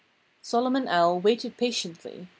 Solomon Owl waited patiently.